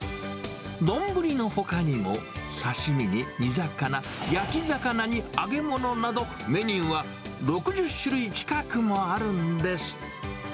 丼のほかにも、刺身に煮魚、焼き魚に揚げ物など、メニューは６０種類近くもあるんです。